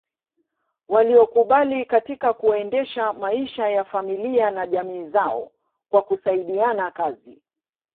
Walioukubali katika kuendesha maisha ya familia na jamii zao kwa kusaidiana kazi